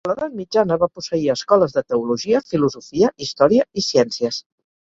A l'edat mitjana va posseir escoles de teologia, filosofia, història i ciències.